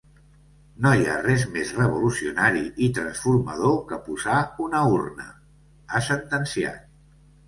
No hi ha res més revolucionari i transformador que posar una urna, ha sentenciat.